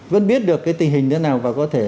vẫn biết được cái tình hình thế nào và có thể